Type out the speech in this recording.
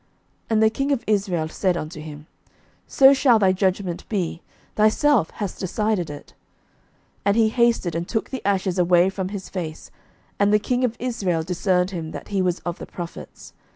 And the king of Israel said unto him, So shall thy judgment be; thyself hast decided it. 11:020:041 And he hasted, and took the ashes away from his face; and the king of Israel discerned him that he was of the prophets.